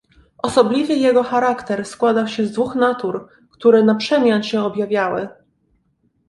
"Osobliwy jego charakter składał się z dwóch natur, które naprzemian się objawiały."